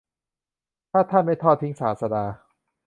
ถ้าท่านไม่ทอดทิ้งศาสดา